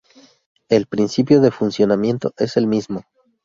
El principio de funcionamiento es el mismo.